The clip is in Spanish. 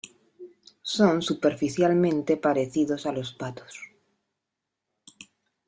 Son superficialmente parecidos a los patos.